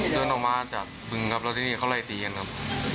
เดินออกมาจากบึงครับแล้วที่นี่เขาไล่ตีกันครับ